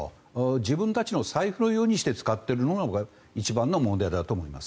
自分たちの財布のようにして使っているのが僕は一番の問題だと思います。